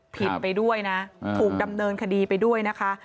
ไปด้วยนะถูกดำเนินคดีไปด้วยนะคะ